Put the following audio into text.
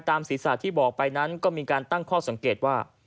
ศีรษะที่บอกไปนั้นก็มีการตั้งข้อสังเกตว่า